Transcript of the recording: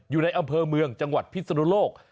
อยู่ในอำเภอเมืองจังหวัดพิศนุโลก